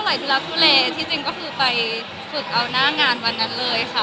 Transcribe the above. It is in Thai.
ทุลักทุเลที่จริงก็คือไปฝึกเอาหน้างานวันนั้นเลยค่ะ